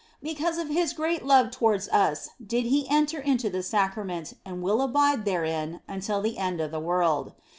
Because of His great love towards us did He enter into the Sacrament and will abide therein until the end of the world.